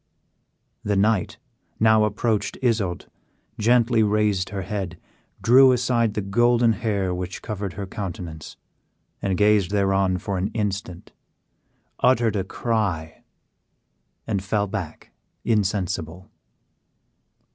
The knight now approached Isoude, gently raised her head, drew aside the golden hair which covered her countenance, gazed thereon for an instant, uttered a cry, and fell back insensible.